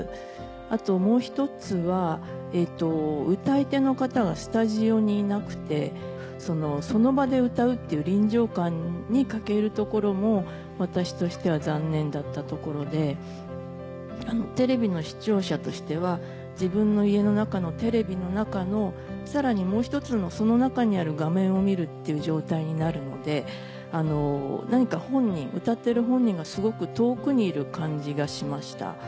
あともう一つは歌い手の方がスタジオにいなくてその場で歌うっていう臨場感に欠けるところも私としては残念だったところでテレビの視聴者としては自分の家の中のテレビの中のさらにもう一つのその中にある画面を見るっていう状態になるので歌ってる本人がすごく遠くにいる感じがしました。